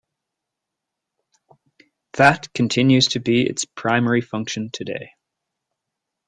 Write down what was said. That continues to be its primary function today.